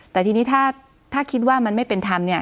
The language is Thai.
แต่ทีนี้ถ้าคิดว่ามันไม่เป็นธรรมเนี่ย